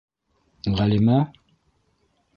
Ғәлимә?!